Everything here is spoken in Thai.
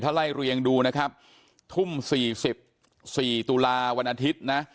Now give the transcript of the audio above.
ถ้าไล่เรียงดูนะครับทุ่มสี่สิบสี่ตุลาวันอาทิตย์นะ